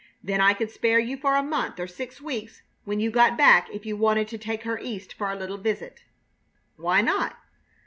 Then I could spare you for a month or six weeks when you got back if you wanted to take her East for a little visit." Why not?